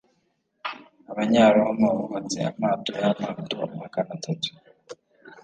abanyaroma bubatse amato yamato magana atatu.